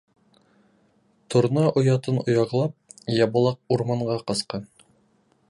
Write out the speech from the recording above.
Торна оятын ояглап, ябалаҡ урманға ҡасҡан.